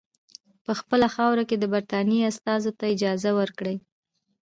په خپله خاوره کې د برټانیې استازو ته اجازه ورکړي.